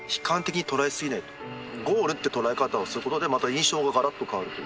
ゴールって捉え方をすることでまた印象ががらっと変わると。